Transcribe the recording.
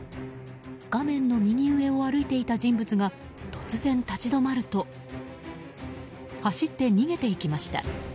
画面の右上を歩いていた人物が突然、立ち止まると走って逃げていきました。